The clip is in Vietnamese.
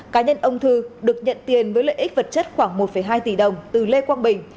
cá nhân ông thư được nhận tiền với lợi ích vật chất khoảng một hai tỷ đồng từ lê quang bình